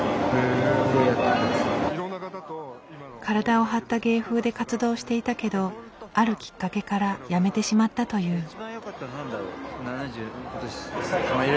体を張った芸風で活動していたけどあるきっかけから辞めてしまったという。